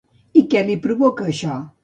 I què li provocava això?